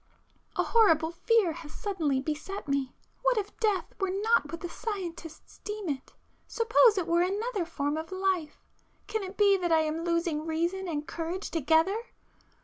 ····· A horrible fear has suddenly [p 422] beset me. What if death were not what the scientists deem it,—suppose it were another form of life? Can it be that I am losing reason and courage together?